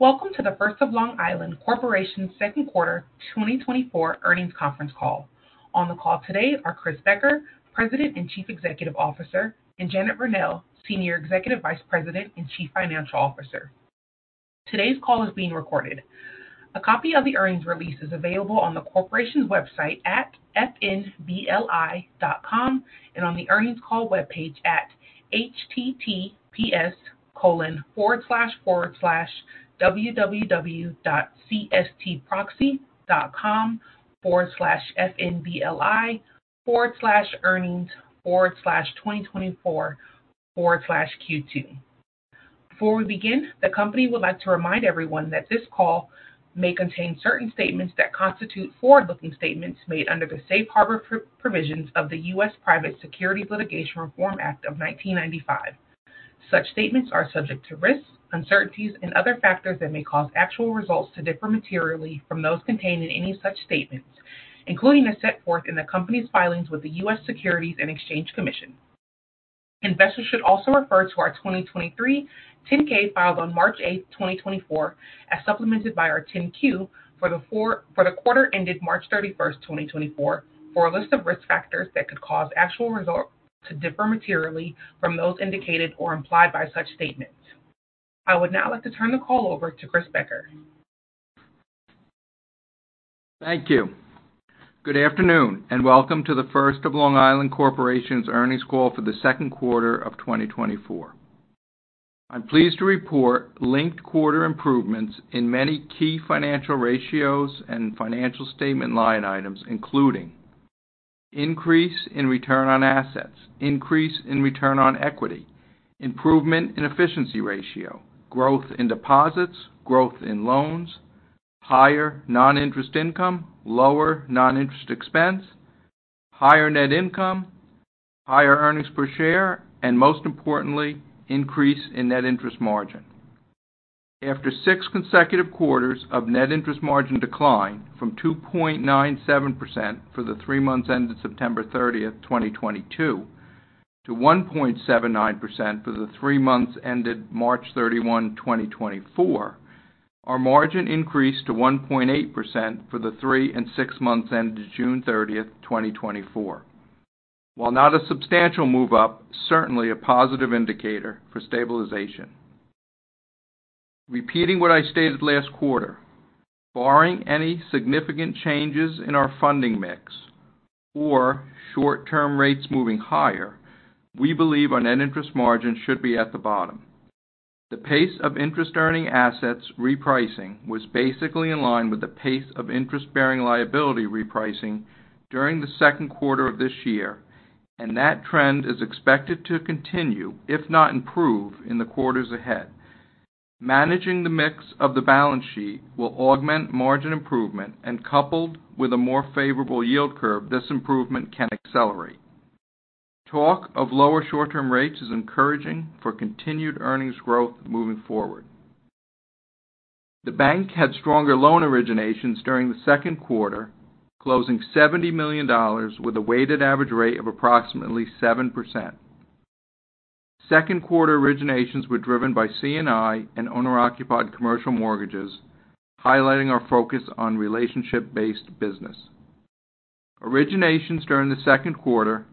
Welcome to The First of Long Island Corporation's Second Quarter 2024 Earnings Conference call. On the call today are Chris Becker, President and Chief Executive Officer, and Janet Verneuille, Senior Executive Vice President and Chief Financial Officer. Today's call is being recorded. A copy of the earnings release is available on the corporation's website at fnbli.com and on the earnings call webpage at https://www.cstproxy.com/fnbli/earnings/2024/Q2. Before we begin, the company would like to remind everyone that this call may contain certain statements that constitute forward-looking statements made under the Safe Harbor Provisions of the U.S. Private Securities Litigation Reform Act of 1995. Such statements are subject to risks, uncertainties, and other factors that may cause actual results to differ materially from those contained in any such statements, including as set forth in the company's filings with the U.S. Securities and Exchange Commission. Investors should also refer to our 2023 10-K filed on March 8, 2024, as supplemented by our 10-Q for the quarter ended March 31st, 2024, for a list of risk factors that could cause actual results to differ materially from those indicated or implied by such statements. I would now like to turn the call over to Chris Becker. Thank you. Good afternoon and welcome to The First of Long Island Corporation's earnings call for the second quarter of 2024. I'm pleased to report linked quarter improvements in many key financial ratios and financial statement line items, including increase in return on assets, increase in return on equity, improvement in efficiency ratio, growth in deposits, growth in loans, higher non-interest income, lower non-interest expense, higher net income, higher earnings per share, and most importantly, increase in net interest margin. After six consecutive quarters of net interest margin decline from 2.97% for the three months ended September 30th, 2022, to 1.79% for the three months ended March 31, 2024, our margin increased to 1.8% for the three and six months ended June 30th, 2024. While not a substantial move-up, certainly a positive indicator for stabilization. Repeating what I stated last quarter, barring any significant changes in our funding mix or short-term rates moving higher, we believe our net interest margin should be at the bottom. The pace of interest-earning assets repricing was basically in line with the pace of interest-bearing liability repricing during the second quarter of this year, and that trend is expected to continue, if not improve, in the quarters ahead. Managing the mix of the balance sheet will augment margin improvement, and coupled with a more favorable yield curve, this improvement can accelerate. Talk of lower short-term rates is encouraging for continued earnings growth moving forward. The bank had stronger loan originations during the second quarter, closing $70 million with a weighted average rate of approximately 7%. Second quarter originations were driven by C&I and owner-occupied commercial mortgages, highlighting our focus on relationship-based business. Originations during the second quarter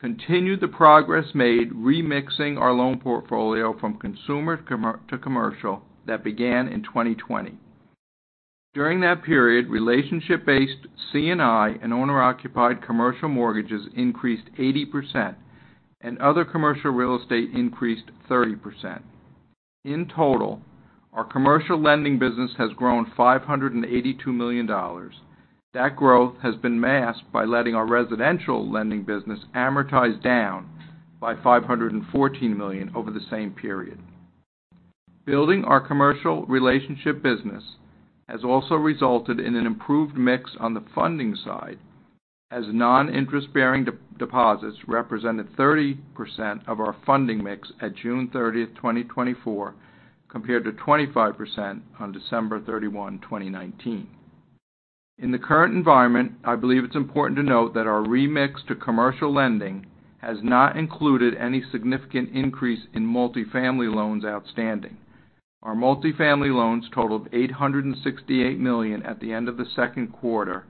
continued the progress made remixing our loan portfolio from consumer to commercial that began in 2020. During that period, relationship-based C&I and owner-occupied commercial mortgages increased 80%, and other commercial real estate increased 30%. In total, our commercial lending business has grown $582 million. That growth has been masked by letting our residential lending business amortize down by $514 million over the same period. Building our commercial relationship business has also resulted in an improved mix on the funding side, as non-interest-bearing deposits represented 30% of our funding mix at June 30, 2024, compared to 25% on December 31, 2019. In the current environment, I believe it's important to note that our remix to commercial lending has not included any significant increase in multifamily loans outstanding. Our multifamily loans totaled $868 million at the end of the second quarter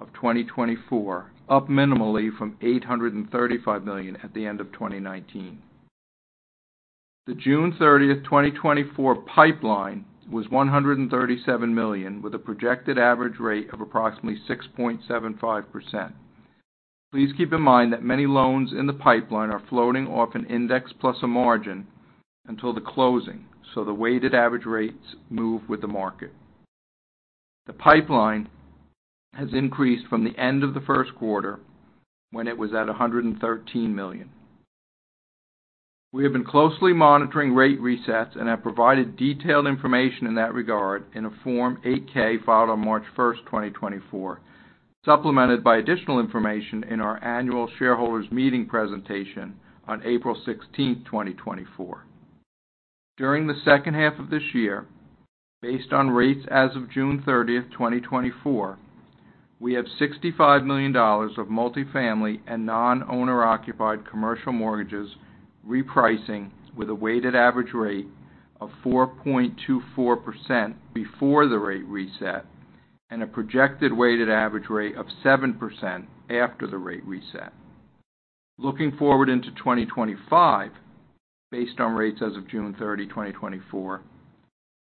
of 2024, up minimally from $835 million at the end of 2019. The June 30, 2024, pipeline was $137 million, with a projected average rate of approximately 6.75%. Please keep in mind that many loans in the pipeline are floating off an index plus a margin until the closing, so the weighted average rates move with the market. The pipeline has increased from the end of the first quarter when it was at $113 million. We have been closely monitoring rate resets and have provided detailed information in that regard in a Form 8-K filed on March 1, 2024, supplemented by additional information in our annual shareholders' meeting presentation on April 16, 2024. During the second half of this year, based on rates as of June 30, 2024, we have $65 million of multifamily and non-owner-occupied commercial mortgages repricing with a weighted average rate of 4.24% before the rate reset and a projected weighted average rate of 7% after the rate reset. Looking forward into 2025, based on rates as of June 30, 2024,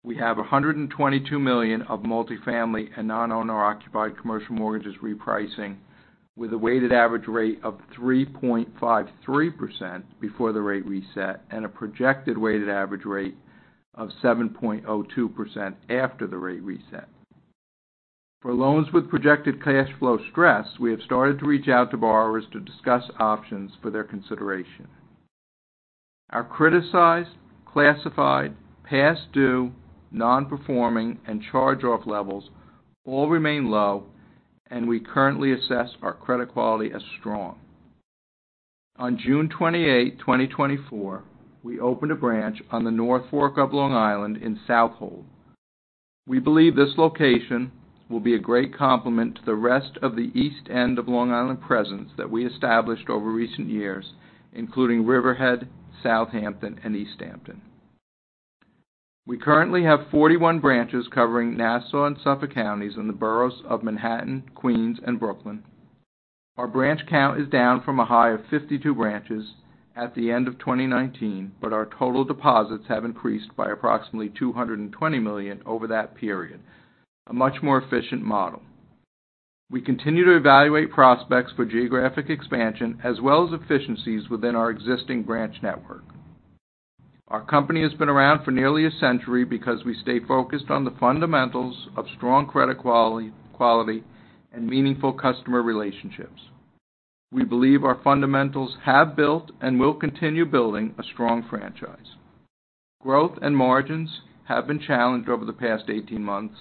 we have $122 million of multifamily and non-owner-occupied commercial mortgages repricing with a weighted average rate of 3.53% before the rate reset and a projected weighted average rate of 7.02% after the rate reset. For loans with projected cash flow stress, we have started to reach out to borrowers to discuss options for their consideration. Our criticized, classified, past due, non-performing, and charge-off levels all remain low, and we currently assess our credit quality as strong. On June 28, 2024, we opened a branch on the North Fork of Long Island in Southold. We believe this location will be a great complement to the rest of the East End of Long Island presence that we established over recent years, including Riverhead, Southampton, and East Hampton. We currently have 41 branches covering Nassau and Suffolk counties in the boroughs of Manhattan, Queens, and Brooklyn. Our branch count is down from a high of 52 branches at the end of 2019, but our total deposits have increased by approximately $220 million over that period, a much more efficient model. We continue to evaluate prospects for geographic expansion as well as efficiencies within our existing branch network. Our company has been around for nearly a century because we stay focused on the fundamentals of strong credit quality and meaningful customer relationships. We believe our fundamentals have built and will continue building a strong franchise. Growth and margins have been challenged over the past 18 months,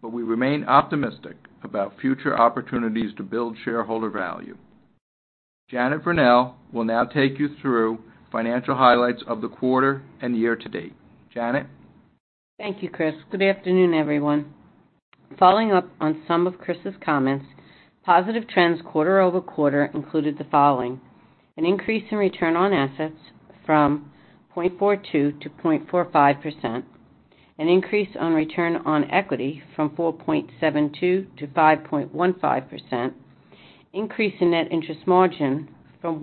but we remain optimistic about future opportunities to build shareholder value. Janet Verneuille will now take you through financial highlights of the quarter and year to date. Janet. Thank you, Chris. Good afternoon, everyone. Following up on some of Chris's comments, positive trends quarter over quarter included the following: an increase in return on assets from 0.42%-0.45%, an increase in return on equity from 4.72%-5.15%, an increase in net interest margin from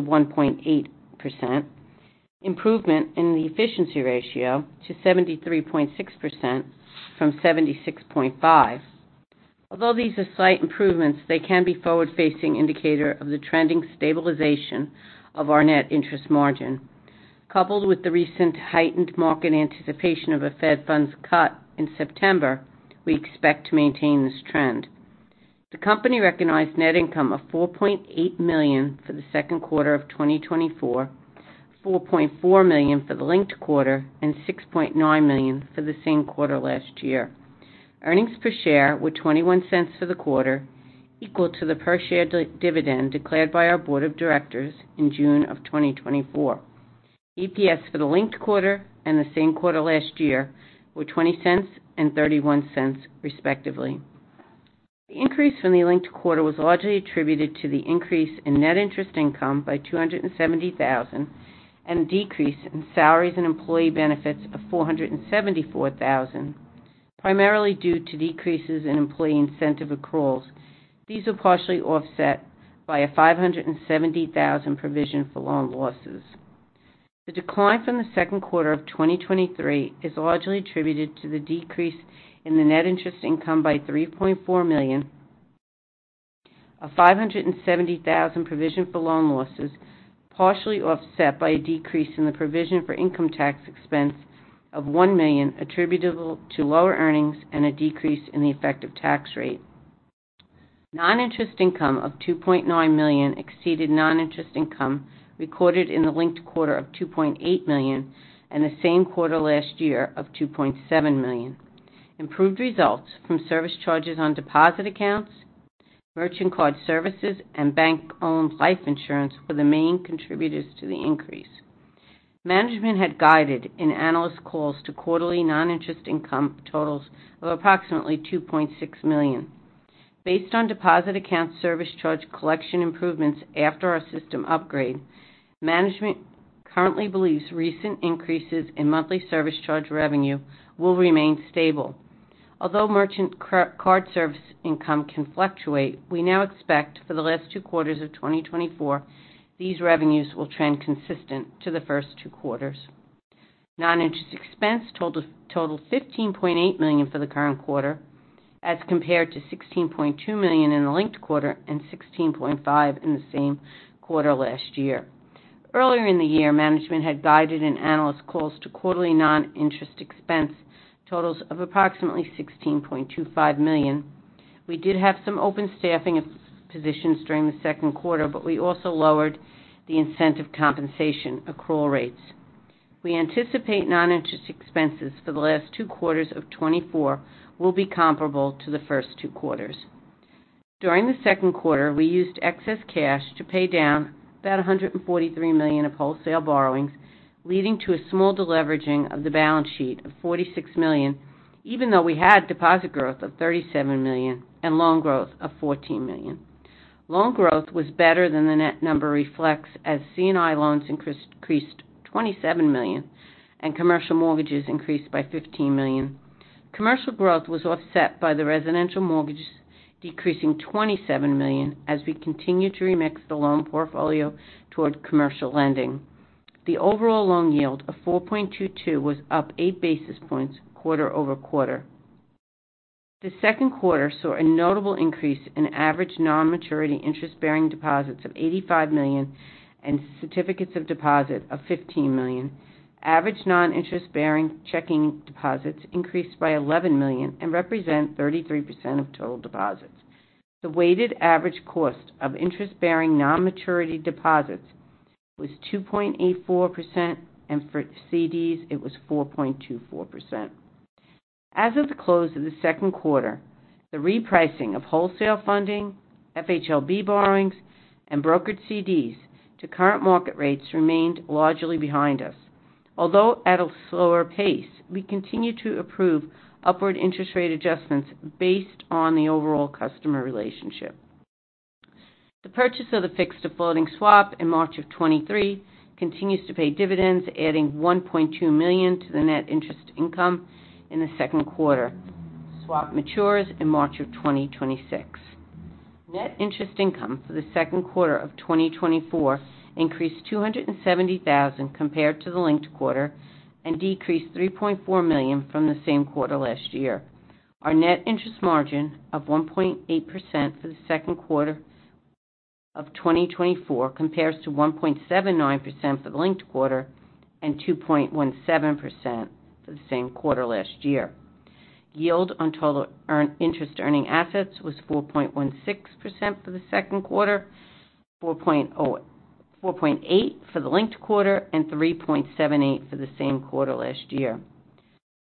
1.79%-1.8%, and an improvement in the efficiency ratio to 73.6% from 76.5%. Although these are slight improvements, they can be a forward-facing indicator of the trending stabilization of our net interest margin. Coupled with the recent heightened market anticipation of a Fed funds cut in September, we expect to maintain this trend. The company recognized net income of $4.8 million for the second quarter of 2024, $4.4 million for the linked quarter, and $6.9 million for the same quarter last year. Earnings per share were $0.21 for the quarter, equal to the per-share dividend declared by our board of directors in June of 2024. EPS for the linked quarter and the same quarter last year were $0.20 and $0.31, respectively. The increase from the linked quarter was largely attributed to the increase in net interest income by $270,000 and a decrease in salaries and employee benefits of $474,000, primarily due to decreases in employee incentive accruals. These were partially offset by a $570,000 provision for loan losses. The decline from the second quarter of 2023 is largely attributed to the decrease in the net interest income by $3.4 million, a $570,000 provision for loan losses partially offset by a decrease in the provision for income tax expense of $1 million attributable to lower earnings and a decrease in the effective tax rate. Non-interest income of $2.9 million exceeded non-interest income recorded in the linked quarter of $2.8 million and the same quarter last year of $2.7 million. Improved results from service charges on deposit accounts, merchant card services, and bank-owned life insurance were the main contributors to the increase. Management had guided in analyst calls to quarterly non-interest income totals of approximately $2.6 million. Based on deposit account service charge collection improvements after our system upgrade, management currently believes recent increases in monthly service charge revenue will remain stable. Although merchant card service income can fluctuate, we now expect for the last two quarters of 2024 these revenues will trend consistent to the first two quarters. Non-interest expense totaled $15.8 million for the current quarter, as compared to $16.2 million in the linked quarter and $16.5 million in the same quarter last year. Earlier in the year, management had guided in analyst calls to quarterly non-interest expense totals of approximately $16.25 million. We did have some open staffing positions during the second quarter, but we also lowered the incentive compensation accrual rates. We anticipate non-interest expenses for the last two quarters of 2024 will be comparable to the first two quarters. During the second quarter, we used excess cash to pay down about $143 million of wholesale borrowings, leading to a small deleveraging of the balance sheet of $46 million, even though we had deposit growth of $37 million and loan growth of $14 million. Loan growth was better than the net number reflects, as C&I loans increased $27 million and commercial mortgages increased by $15 million. Commercial growth was offset by the residential mortgages decreasing $27 million as we continued to remix the loan portfolio toward commercial lending. The overall loan yield of 4.22 was up eight basis points quarter-over-quarter. The second quarter saw a notable increase in average non-maturity interest-bearing deposits of $85 million and certificates of deposit of $15 million. Average non-interest-bearing checking deposits increased by $11 million and represent 33% of total deposits. The weighted average cost of interest-bearing non-maturity deposits was 2.84%, and for CDs, it was 4.24%. As of the close of the second quarter, the repricing of wholesale funding, FHLB borrowings, and brokered CDs to current market rates remained largely behind us. Although at a slower pace, we continue to approve upward interest rate adjustments based on the overall customer relationship. The purchase of the fixed-to-floating swap in March of 2023 continues to pay dividends, adding $1.2 million to the net interest income in the second quarter. Swap matures in March of 2026. Net interest income for the second quarter of 2024 increased $270,000 compared to the linked quarter and decreased $3.4 million from the same quarter last year. Our net interest margin of 1.8% for the second quarter of 2024 compares to 1.79% for the linked quarter and 2.17% for the same quarter last year. Yield on total interest-earning assets was 4.16% for the second quarter, 4.8% for the linked quarter, and 3.78% for the same quarter last year.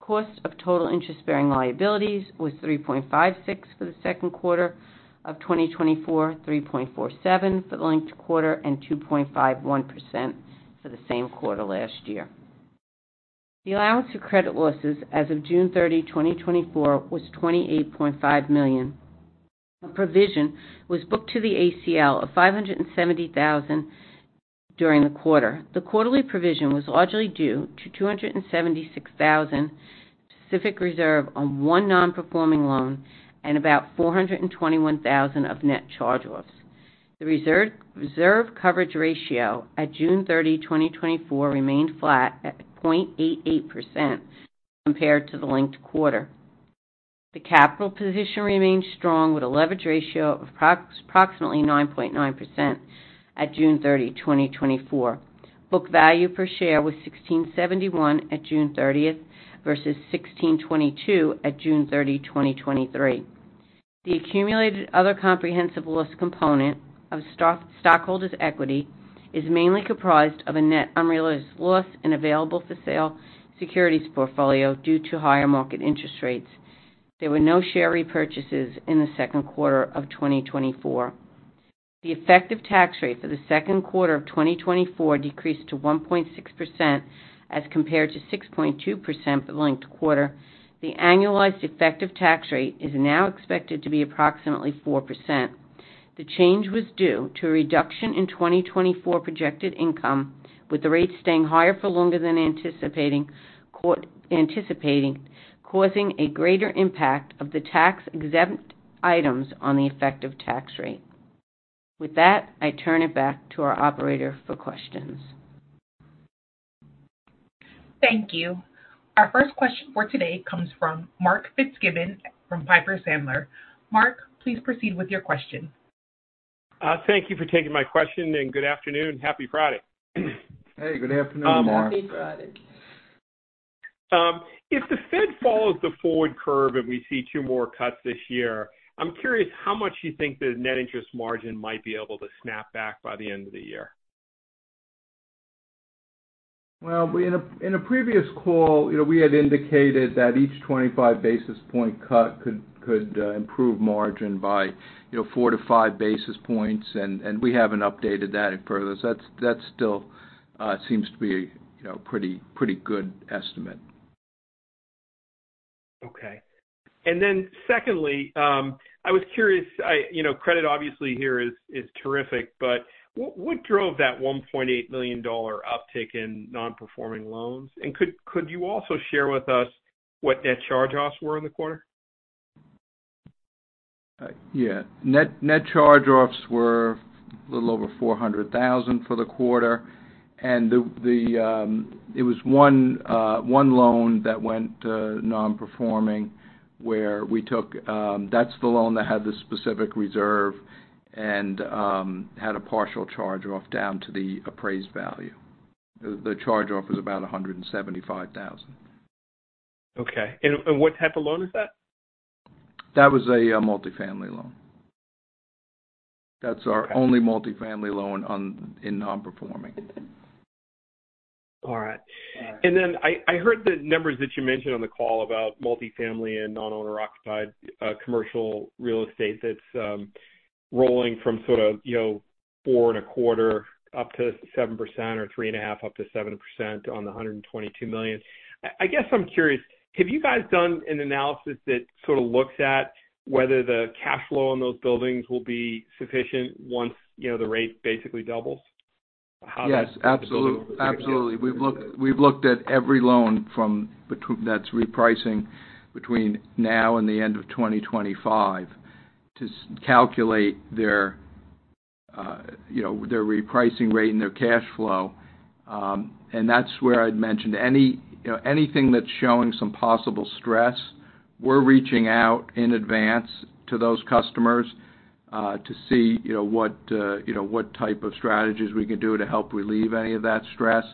Cost of total interest-bearing liabilities was 3.56% for the second quarter of 2024, 3.47% for the linked quarter, and 2.51% for the same quarter last year. The allowance for credit losses as of June 30, 2024, was $28.5 million. A provision was booked to the ACL of $570,000 during the quarter. The quarterly provision was largely due to $276,000 specific reserve on one non-performing loan and about $421,000 of net charge-offs. The reserve coverage ratio at June 30, 2024, remained flat at 0.88% compared to the linked quarter. The capital position remained strong with a leverage ratio of approximately 9.9% at June 30, 2024. Book value per share was $1,671 at June 30 versus $1,622 at June 30, 2023. The accumulated other comprehensive loss component of stockholders' equity is mainly comprised of a net unrealized loss in available-for-sale securities portfolio due to higher market interest rates. There were no share repurchases in the second quarter of 2024. The effective tax rate for the second quarter of 2024 decreased to 1.6% as compared to 6.2% for the linked quarter. The annualized effective tax rate is now expected to be approximately 4%. The change was due to a reduction in 2024 projected income, with the rate staying higher for longer than anticipated, causing a greater impact of the tax-exempt items on the effective tax rate. With that, I turn it back to our operator for questions. Thank you. Our first question for today comes from Mark Fitzgibbon from Piper Sandler. Mark, please proceed with your question. Thank you for taking my question, and good afternoon and happy Friday. Hey, good afternoon, Mark. Happy Friday. If the Fed follows the forward curve and we see two more cuts this year, I'm curious how much you think the net interest margin might be able to snap back by the end of the year? Well, in a previous call, we had indicated that each 25 basis point cut could improve margin by 4-5 basis points, and we haven't updated that further. That still seems to be a pretty good estimate. Okay. And then secondly, I was curious, credit obviously here is terrific, but what drove that $1.8 million uptick in non-performing loans? And could you also share with us what net charge-offs were in the quarter? Yeah. Net charge-offs were a little over $400,000 for the quarter. It was one loan that went non-performing where we took, that's the loan that had the specific reserve and had a partial charge-off down to the appraised value. The charge-off was about $175,000. Okay. What type of loan is that? That was a multifamily loan. That's our only multifamily loan in non-performing. All right. And then I heard the numbers that you mentioned on the call about multifamily and non-owner-occupied commercial real estate that's rolling from sort of 4.25% up to 7% or 3.5% up to 7% on the $122 million. I guess I'm curious, have you guys done an analysis that sort of looks at whether the cash flow on those buildings will be sufficient once the rate basically doubles? Yes, absolutely. Absolutely. We've looked at every loan that's repricing between now and the end of 2025 to calculate their repricing rate and their cash flow. And that's where I'd mentioned anything that's showing some possible stress, we're reaching out in advance to those customers to see what type of strategies we can do to help relieve any of that stress.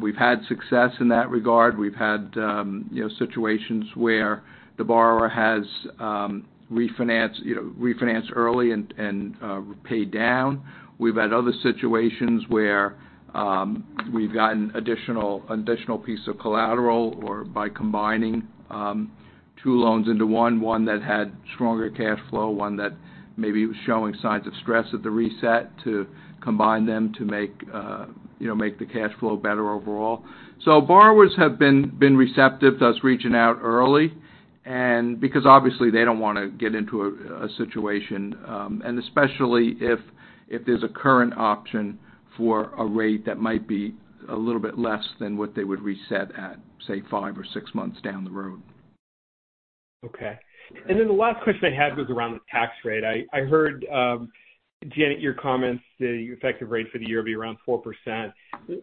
We've had success in that regard. We've had situations where the borrower has refinanced early and paid down. We've had other situations where we've gotten an additional piece of collateral or by combining two loans into one, one that had stronger cash flow, one that maybe was showing signs of stress at the reset, to combine them to make the cash flow better overall. Borrowers have been receptive to us reaching out early because obviously they don't want to get into a situation, and especially if there's a current option for a rate that might be a little bit less than what they would reset at, say, five or six months down the road. Okay. And then the last question I had was around the tax rate. I heard, Janet, your comments, the effective rate for the year would be around 4%.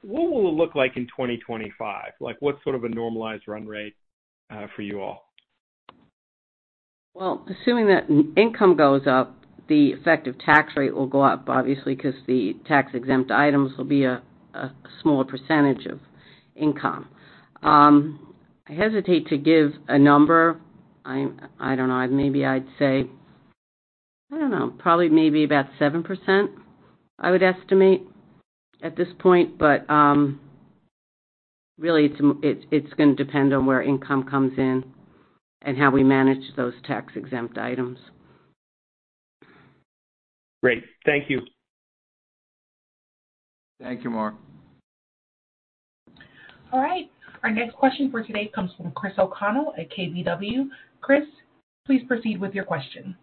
What will it look like in 2025? What's sort of a normalized run rate for you all? Well, assuming that income goes up, the effective tax rate will go up, obviously, because the tax-exempt items will be a smaller percentage of income. I hesitate to give a number. I don't know. Maybe I'd say, I don't know, probably maybe about 7%, I would estimate at this point. But really, it's going to depend on where income comes in and how we manage those tax-exempt items. Great. Thank you. Thank you, Mark. All right. Our next question for today comes from Chris O'Connell at KBW. Chris, please proceed with your question.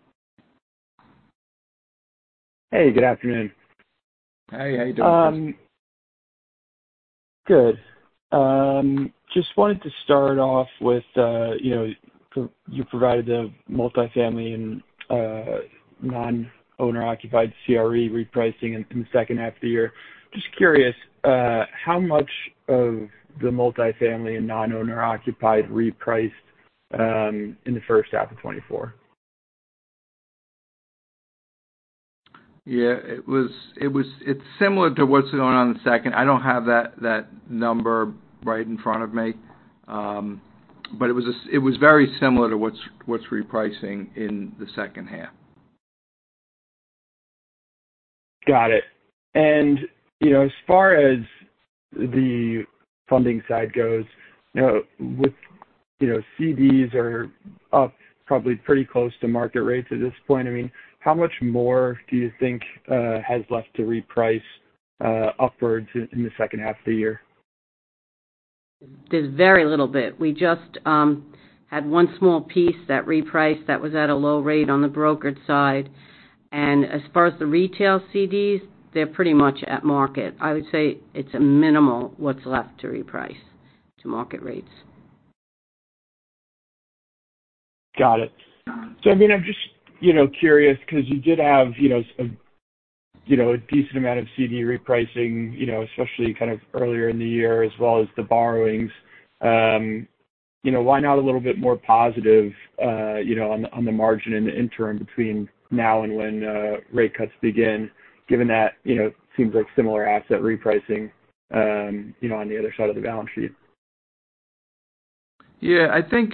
Hey, good afternoon. Hey, how are you doing, Chris? Good. Just wanted to start off with you provided the multifamily and non-owner-occupied CRE repricing in the second half of the year. Just curious, how much of the multifamily and non-owner-occupied repriced in the first half of 2024? Yeah. It's similar to what's going on in the second. I don't have that number right in front of me, but it was very similar to what's repricing in the second half. Got it. And as far as the funding side goes, with CDs up probably pretty close to market rates at this point, I mean, how much more do you think has left to reprice upwards in the second half of the year? There's very little bit. We just had one small piece that repriced that was at a low rate on the brokered side. And as far as the retail CDs, they're pretty much at market. I would say it's minimal what's left to reprice to market rates. Got it. So then I'm just curious because you did have a decent amount of CD repricing, especially kind of earlier in the year, as well as the borrowings. Why not a little bit more positive on the margin in the interim between now and when rate cuts begin, given that it seems like similar asset repricing on the other side of the balance sheet? Yeah. I think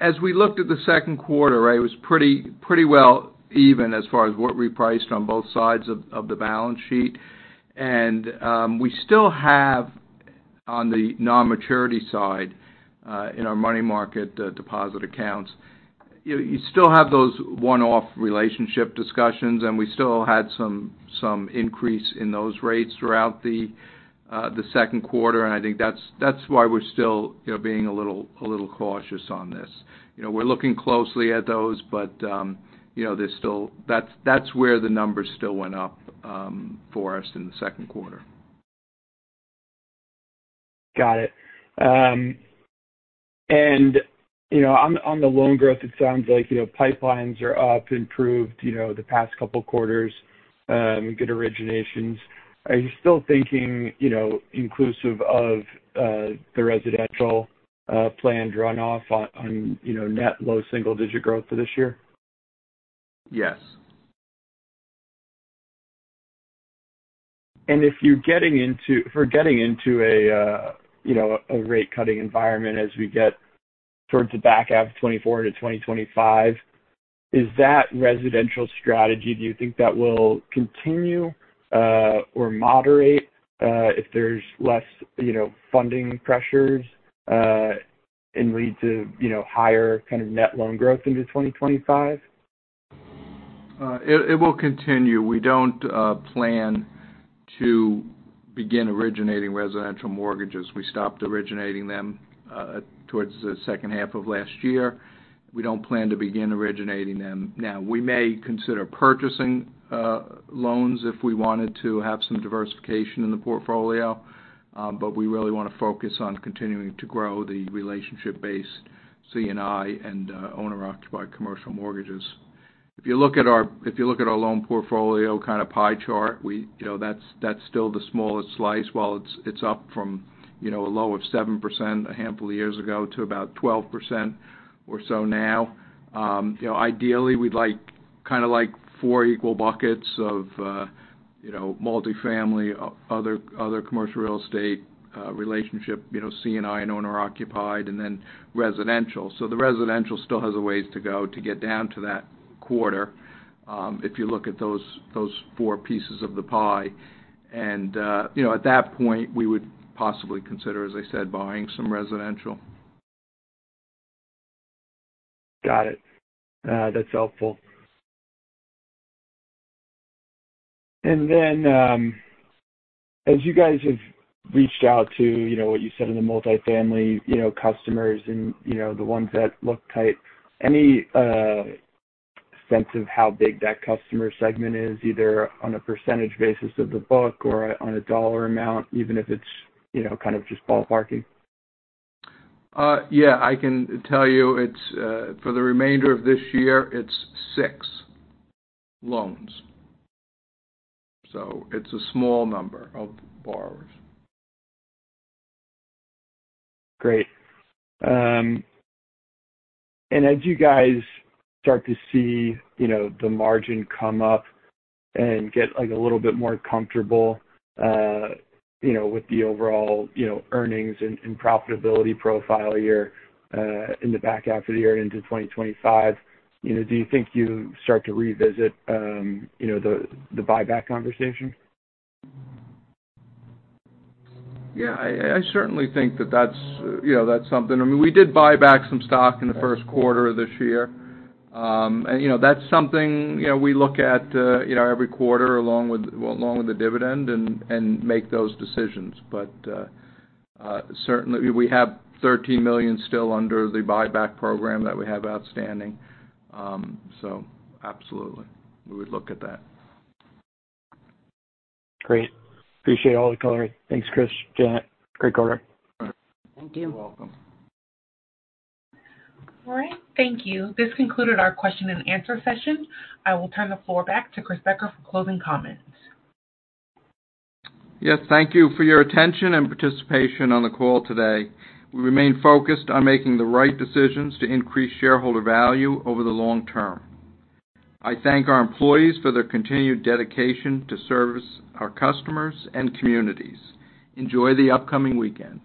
as we looked at the second quarter, it was pretty well even as far as what repriced on both sides of the balance sheet. And we still have on the non-maturity side in our money market deposit accounts, you still have those one-off relationship discussions, and we still had some increase in those rates throughout the second quarter. And I think that's why we're still being a little cautious on this. We're looking closely at those, but that's where the numbers still went up for us in the second quarter. Got it. On the loan growth, it sounds like pipelines are up, improved the past couple of quarters, good originations. Are you still thinking inclusive of the residential planned runoff on net low single-digit growth for this year? Yes. If we're getting into a rate-cutting environment as we get towards the back half of 2024 to 2025, is that residential strategy, do you think that will continue or moderate if there's less funding pressures and lead to higher kind of net loan growth into 2025? It will continue. We don't plan to begin originating residential mortgages. We stopped originating them towards the second half of last year. We don't plan to begin originating them now. We may consider purchasing loans if we wanted to have some diversification in the portfolio, but we really want to focus on continuing to grow the relationship-based C&I and owner-occupied commercial mortgages. If you look at our—if you look at our loan portfolio kind of pie chart, that's still the smallest slice while it's up from a low of 7% a handful of years ago to about 12% or so now. Ideally, we'd like kind of like four equal buckets of multifamily, other commercial real estate relationship, C&I, and owner-occupied, and then residential. So the residential still has a ways to go to get down to that quarter if you look at those four pieces of the pie. At that point, we would possibly consider, as I said, buying some residential. Got it. That's helpful. And then as you guys have reached out to what you said in the multifamily customers and the ones that look tight, any sense of how big that customer segment is, either on a percentage basis of the book or on a dollar amount, even if it's kind of just ballparking? Yeah. I can tell you for the remainder of this year, it's six loans. So it's a small number of borrowers. Great. As you guys start to see the margin come up and get a little bit more comfortable with the overall earnings and profitability profile year in the back half of the year into 2025, do you think you start to revisit the buyback conversation? Yeah. I certainly think that that's something. I mean, we did buy back some stock in the first quarter of this year. That's something we look at every quarter along with the dividend and make those decisions. Certainly, we have 13 million still under the buyback program that we have outstanding. Absolutely, we would look at that. Great. Appreciate all the comments. Thanks, Chris, Janet. Great quarter. Thank you. You're welcome. All right. Thank you. This concluded our question and answer session. I will turn the floor back to Chris Becker for closing comments. Yes. Thank you for your attention and participation on the call today. We remain focused on making the right decisions to increase shareholder value over the long term. I thank our employees for their continued dedication to service our customers and communities. Enjoy the upcoming weekend.